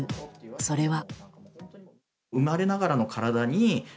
それは。